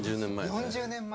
４０年前。